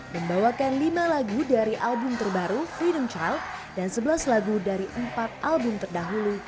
membawakan lima lagu dari album terbaru freedom chile dan sebelas lagu dari empat album terdahulu